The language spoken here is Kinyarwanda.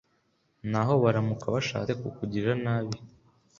n'aho baramuka bashatse kukugirira nabi